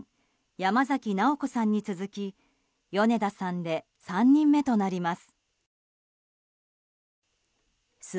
山崎直子さんに続き米田さんで３人目となります。